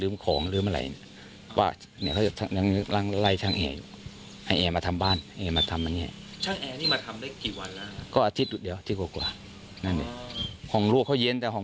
มีเหมือนแบบคน